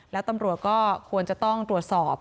แล้วตำรวจก็ควรจะต้องตรวจสอบ